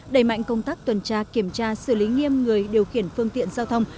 đẩy mạnh công tác tuần tra kiểm tra xử lý nghiêm người điều khiển phương tiện giao thông